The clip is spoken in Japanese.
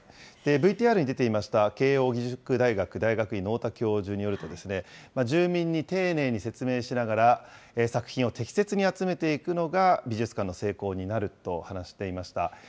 ＶＴＲに出ていました慶應義塾大学大学院の太田教授によると、住民に丁寧に説明しながら、作品を適切に集めていくのが、美術館の成功になると話していました。